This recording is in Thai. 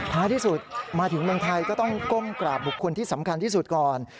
ท้ายที่สุดมาถึงเมืองไทยก็ต้องก้มกราบบุคคลที่สำคัญที่สุดก่อน